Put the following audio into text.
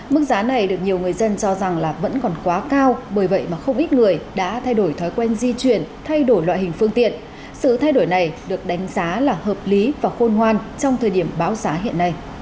mức giá này được nhiều người dân cho rằng là vẫn còn quá cao bởi vậy mà không ít người đã thay đổi thói quen di chuyển thay đổi loại hình phương tiện